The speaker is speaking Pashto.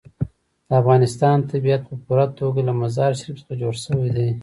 د افغانستان طبیعت په پوره توګه له مزارشریف څخه جوړ شوی دی.